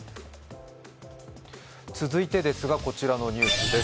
続いてこちらのニュースです。